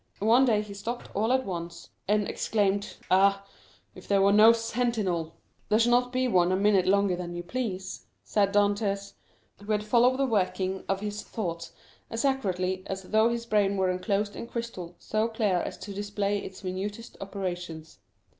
One day he stopped all at once, and exclaimed: "Ah, if there were no sentinel!" "There shall not be one a minute longer than you please," said Dantès, who had followed the working of his thoughts as accurately as though his brain were enclosed in crystal so clear as to display its minutest operations.